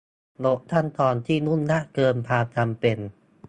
ลดขั้นตอนที่ยุ่งยากเกินความจำเป็น